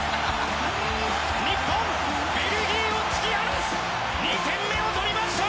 日本、ベルギーを突き放す２点目を取りました！